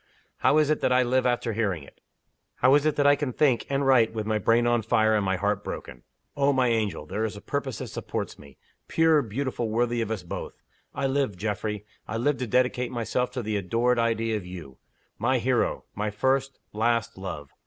How is it that I live after hearing it? How is it that I can think, and write, with my brain on fire, and my heart broken! Oh, my angel, there is a purpose that supports me pure, beautiful, worthy of us both. I live, Geoffrey I live to dedicate myself to the adored idea of You. My hero! my first, last, love!